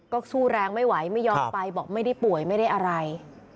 ก็สู้แรงไม่ไหวไม่ยอมไปบอกไม่ได้ป่วยไม่ได้อะไร